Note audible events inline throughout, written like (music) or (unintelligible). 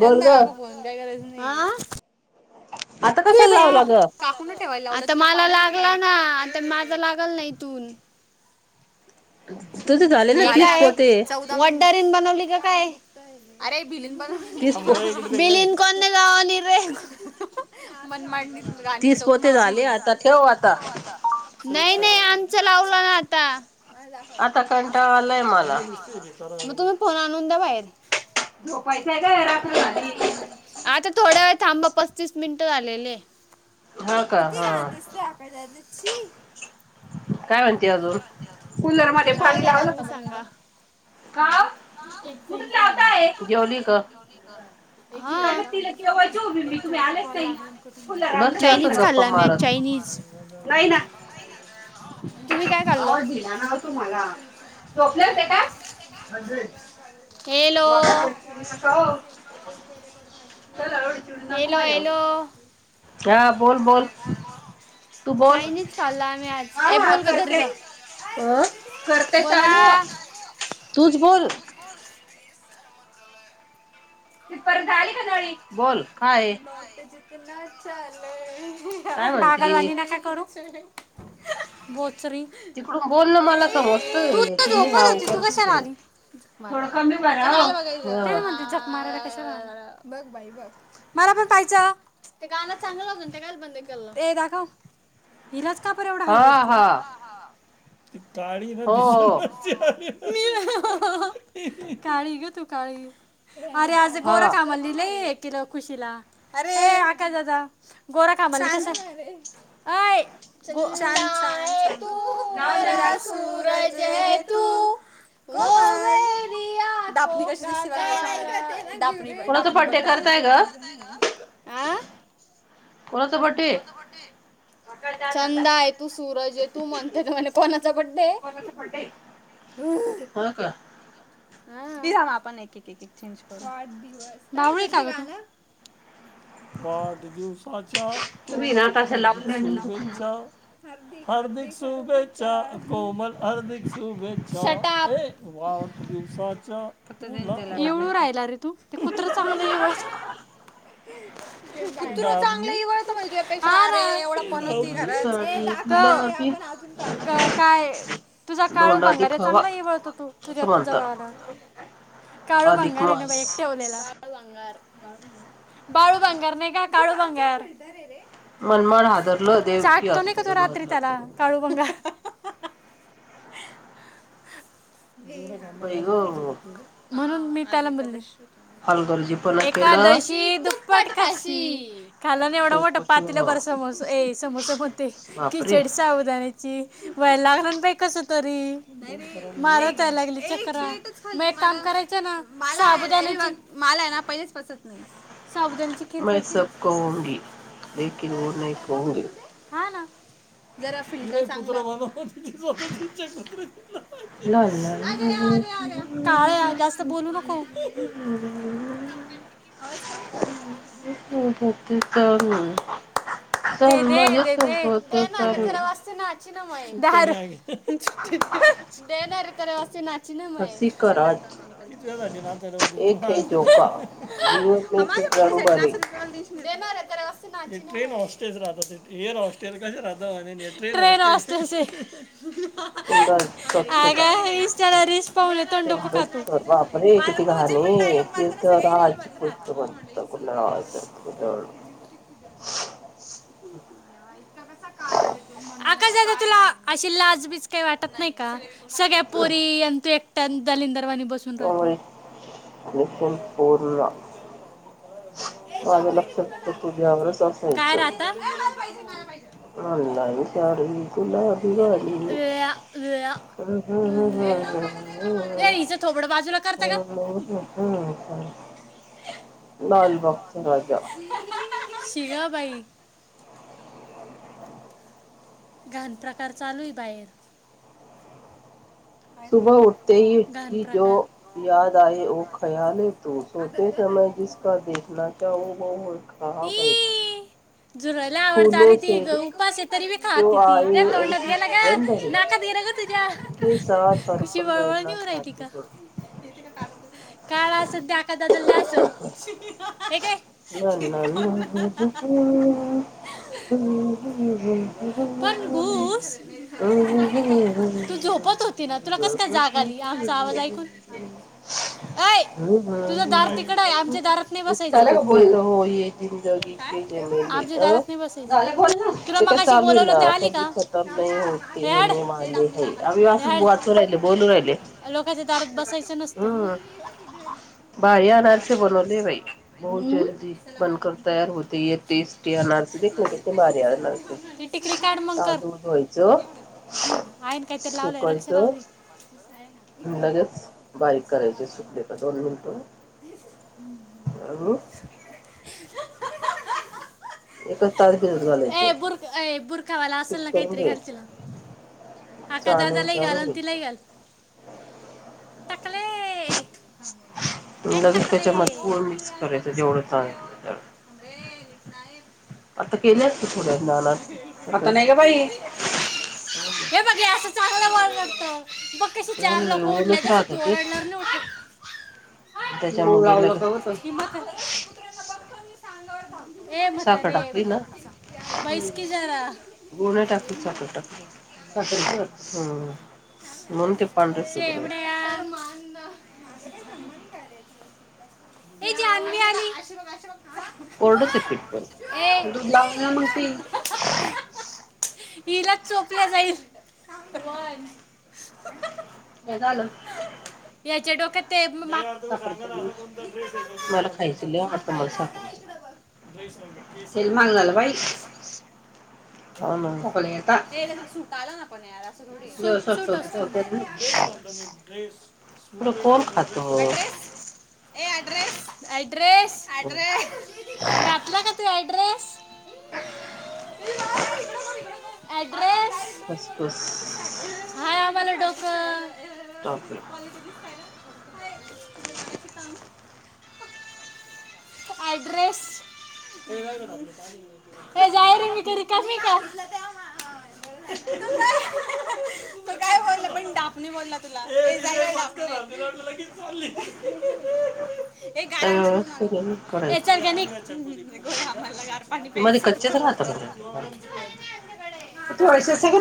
चंदा काकू फोन काय गरज नाही आता कशाला लावलं ग आता मला लागला ना आता माझ लागल नाही इथून का आहे चौदा (unintelligible) (unintelligible) बलीन बनवली कोण कोण रे गावा ने ले मनमाड गांधी चौक आता ठेव नाही (unintelligible) तुमचा लावलं ना आता माझावत आता कट्याळ आला (unintelligible) मग तुम्ही फोन आणून द्या बाहेर झोपायचंय ग रात्र झाली. थोड्या वेळ थांबा पस्तीस मिनिटं झालेले, किती घाण दिसते आकाद (unintelligible) सशी (unintelligible) काय झा सांगाा चायनीज खाल्ला मी आ चायनीज (unintelligible) (unintelligible) आवज दिला ना तुम्हाला झोपले होते का नाय एवढं चिडू नका माझ्यावर ह बोल बोल तू बोल हा ह करते. ते अ करते चालू तूच बोल (unintelligible) तित पर्यंत आली का नळी? बोल. बस. (unintelligible) के (unintelligible) चाले पागल वाणी नका करू. (unintelligible) बोत (unintelligible) ो होती तू कशाला आली म्हण झक मारायला क (unintelligible) (unintelligible) ह बघ बाई बघ. मला पण पाहिचं ते गाणं चांगलं हो बंद के दाखव हिलाच (unintelligible) (unintelligible) कापण एवढ हायलाइट केलं? तित गाडी म भीसून न अहं (unintelligible) मी काळी गे तू काळी. अरे आज गोराखमलीला आहे. किलक. खुशला अरे आकाश दादा गोरख. का म्हण? (inaudible) अय छान छान नाव नली. ज तूया आप कश् (inaudible) डाकणी ब डाकणी बघ डाक (inaudible) आ चंदा आहे तू सूर. रज तु म्हणतंय म्हण हो का? ह ते आपण एक एक एक चेंज करू वाढदिवस वाढदिवसाच्या तुला हार्दिक शुभेच्छा. हार्दिक सूबे चचा कोमल अर्धिक शुभेच्छा. वाढदिवसा एवढ राहिला रे तू कुत्र चांगलं येव कुत्र चांगल एवळत माहित आहे. एवढ प काय तुझा काळू भंगार्या चांगला इवळतो तू तुझ्या जवळ आल्यावर. काळो भांंगार आहे ना बा एक टेवलेला. बाळू भांगर नाही का काळू भांंगार. मनमाड हादरल देवकी हॉस्पिटल मधलं म्हणून मी तलबल्श एकादशी दुप्पट खायशी खायला ना एवढा मोठा पातीला बर समोस ए समोसा म्हणते किचड सावधण्याची वयला लागणारन बा कस तरी मार या लागली चक् मग एक काम करायचं ना माला अद मला आहे ना पहिलेच पचत नाही साबुदानाची खीर खायची ना त्यांना पण हा ना जरा फिल्टर लाल लाल.. चाल माझ्या सोबत चाल दे दे दे दे दे ना वा दहा रूपये दे ना रे असती ना दे ना रे ट्रेन राहत हे हॉस्टेल कस राहत म्हणे कुंडळ स्वच्छता अंबतसर वापरे किती घहणे तीर्थ राजची पुस्तक बनत कुंडळा आकाश दादा तुला अशि लाजबीच काही वाटत नाही का सग्यापोरी अंतु एक दललील दरवा मुळे पूर्ण माझ्या लक्ष तर तुझ्यावरच असेल (unintelligible) काय राहत. साडी. गुला दिवाली ब म (unintelligible) लाल बागचा राजा. शिग बाई. घानप्रकार चालूय बाहेर. (unintelligible) घान प्रकार आता इ जुरायला आवडत अरे ती उपास येत (unintelligible) तरी मी खात ती त्या तोंड द्यायला ग नाका देला ग तुझ्या (unintelligible) कुशी वळवळ निऊन आहे त का काळ अस दका दादल द अस अे काय (unintelligible) अ (unintelligible) बोल हो जिंदगी के जमेली अ बोल ते का (unintelligible) चालू ना कभ खतम नाही होते होने वे है अभ (unintelligible) वाचू राहिले बोलू राहिले हम्म भारी आणारसे बनवले बाई ब जदी बनकर तयार होते टेस्टी (unintelligible) आणस दे ते भारी आणणारचे टिकली काढ मग कर नई हाहेत काहीतरी लावय. (unintelligible) (unintelligible) ए बुरख ए बुरखावाला असेल ना काहीतरी घालती ना आकादा (unintelligible) (unintelligible) ग आ तिलाही गल. टकले. एक टाकले हे बघ आस. आता (unintelligible) बघ कशी चार लोक उठले जस तोर आणणार नाही उठ हि (unintelligible) तो्ी सांगर धा (unintelligible) साखर टाकली ना गुळ नाई टाकली साखर टाकली साखर. हम्म म्हणून ते पांढरे शुभ्र हे जाणवी आली. कोरडस पीठ प तू ब्लावजला मग ते. हिलाच चोपलं जाईल. कावाय (unintelligible) काय झाल. चेडवकत ु सांगा ना कोण ड्रसड्रसट आला ना प्यार सूट सूट असतो ड्रेस म्हणत मी ड्रेस सूट वेग असो ड्रेसेस ए अड्रेस ड्रेस अॲड्रेस घातला का तू ऍड्रेस ऍड्रेस हाय आवाला डॉक ह ए किती कॉलेच दिसतय ना अऍड्रेस हे जाय र मी र क का तू काय बोलल पण डापणे बोलला तुला हे कााय आणशील तुम्हाला हला प पस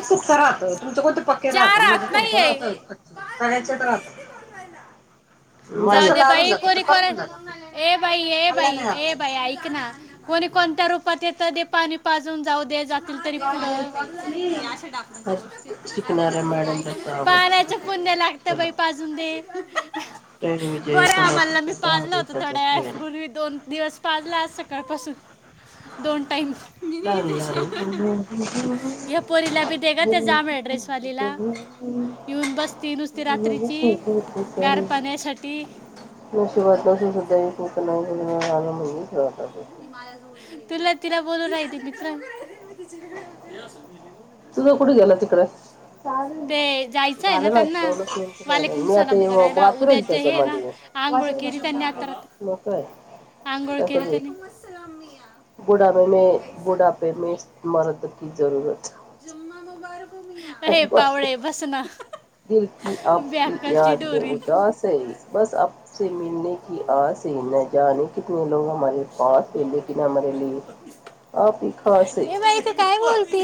खुपसा राहत तुमचं कोणत पके राहत म्हणे थोडसं राहतच सगळ्याचे राहत लालून जात कडकून जात ते खाल्ल्या नाही जात कोणत्या रूपातेत पाणी पाजून जाऊ दे होय हो तु मी टाकण्या गष्ट पालायच पुण्य लागत बाई पाजून दे गोळ्या आम्हाला मी पाळल होत थोड्या वेळ पूर्वी दोन दिवस पाळला सकाळ पाासून दोन टाईम नशीिवाात असूनध सतना म्हजे ह माया जोड तुला तिला बोलू लायती मित्र ते जायचं आहे ना त्यांना वालेकुमच नमज आहे ना उद्या ज हे आहे ना आंघोळ केली त्यांनी आता आंघोळ केली त्यांनी बुढापे म बुढापे मी मरद ही जरूरत जम्मा मबारक अ पावळे भसना दिल क आपकी याद ब उदास आहे बस आप ते मिळणे क ते माहि तर काय बोलते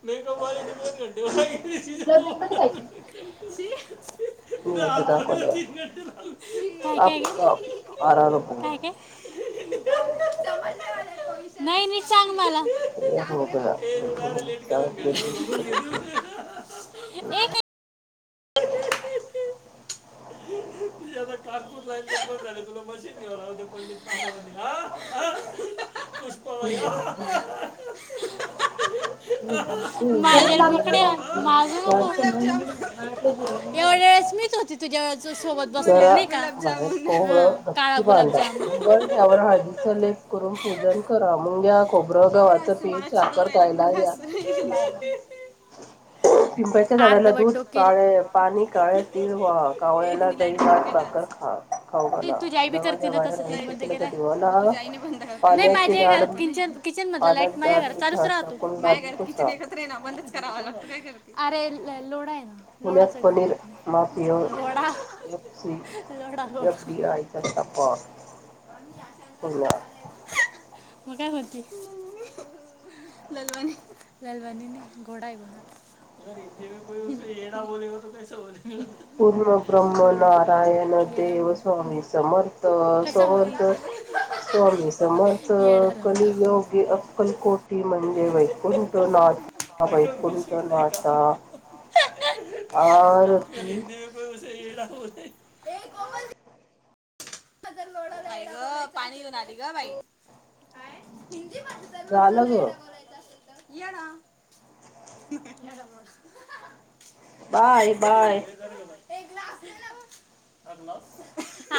मेकअपे ज घंटे वाजन आ काय काय नाही नाही सांग मला ारे लेट कर घ तझ आता कानपूर लाईन ब झाले तुला मशीन घेऊनते पली चुसू घरा बाहेर कोहळ नक्की बांधा उंगरठ्यावर हळदीचा लेप करून पूजन करा मुंग्या खोबरं गवाचं पीठ साखर कायला या पिंपच्या झाडाला दूध काळे पाणी काळे तीळ वा कावळ्याला दही लाट साख खा खाऊला दवाच्या बाहेर रा दिवाला पाण्याचे झाड किचन मधलं लाईट माझ्या घरात चाूच राहतो माझ्या घरात किचन एकत्र ये ना बंदच करावं लाग अरे व लोड आहे ना पुण्यात पनीर माफफ एफडीआयप हो मग काय होते ललवाणी ललवाणी नाही घोडा आहे घोडा अ एक जंगा एडा बोलेगा तो कैसा लगेगा पूर्ण ब्रम्म नारायण देव स्वामी समर्थ समर्थ स्वामी समर्थ कलियोग अक्कलकोटी म्हणजे वैकुंठ नाथा वैकुंठ नाथा आरती देवगड ये ऐडा बोले रे कोमल दिदी काय गं पाणी घेऊन आली गं बाई झालं गं येडा येडा मोठं बाय बाय ये ग्लास देणा तो हा ग्लास -